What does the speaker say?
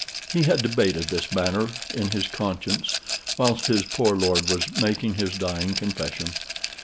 He had debated this matter in his conscience, whilst his poor lord was making his dying confession.